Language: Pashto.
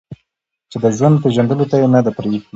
چې د ژوند پېژندلو ته يې نه ده پرېښې